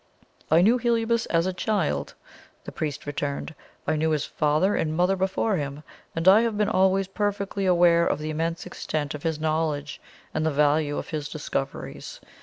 "I knew Heliobas as a child," the priest returned. "I knew his father and mother before him; and I have been always perfectly aware of the immense extent of his knowledge, and the value of his discoveries.